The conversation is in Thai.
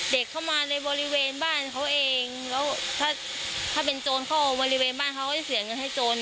เข้ามาในบริเวณบ้านเขาเองแล้วถ้าถ้าเป็นโจรเข้าบริเวณบ้านเขาก็จะเสียเงินให้โจร